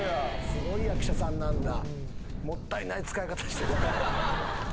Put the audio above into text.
すごい役者さんなんだ。